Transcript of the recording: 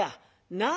なあ。